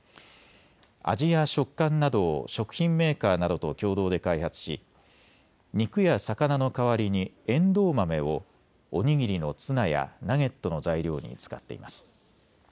味や食感などを食品メーカーなどと共同で開発し肉や魚の代わりにえんどう豆をお握りのツナやナゲットの材料に使っています。